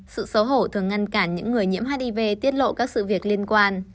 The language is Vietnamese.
sự xấu hổ thường ngăn cản những người nhiễm hiv tiết lộ các sự việc liên quan